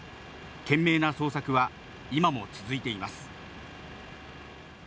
懸命な捜索は今も続いています。